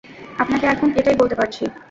আপনাকে এখন এটাই বলতে পারছি।